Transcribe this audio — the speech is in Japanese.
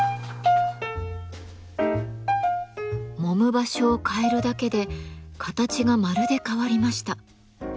もむ場所を変えるだけで形がまるで変わりました。